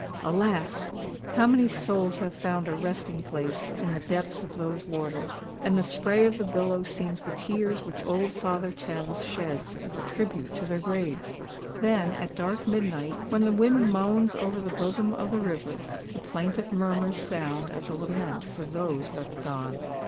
Alas! how many souls have found a resting place in the depths of those waters; and the spray of the billow seems the tears which old Father Thames sheds as a tribute to their graves! Then, at dark midnight, when the wind moans over the bosom of the river, the plaintive murmurs sound as a lament for those that are gone!